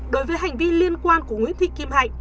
đối với hành vi liên quan của nguyễn thị kim hạnh